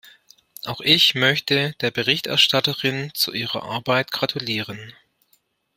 Auch ich möchte der Berichterstatterin zu ihrer Arbeit gratulieren.